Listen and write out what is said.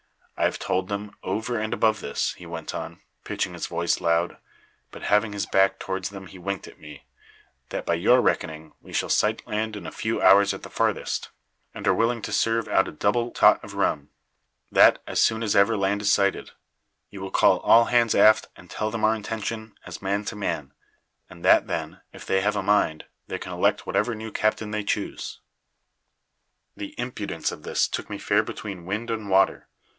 I have told them, over and above this,' he went on, pitching his voice loud but having his back towards them he winked at me 'that by your reckoning we shall sight land in a few hours at the farthest, and are willing to serve out a double tot of rum; that, as soon as ever land is sighted, you will call all hands aft and tell them our intention, as man to man; and that then, if they have a mind, they can elect whatever new captain they choose.' "The impudence of this took me fair between wind and water.